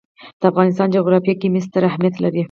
د افغانستان جغرافیه کې مس ستر اهمیت لري.